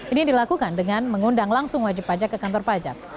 ini dilakukan dengan mengundang langsung wajib pajak ke kantor pajak